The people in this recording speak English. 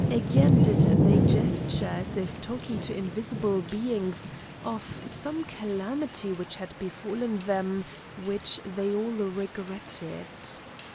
Again did they gesture as if talking to invisible beings of some calamity which had befallen them which they all regretted.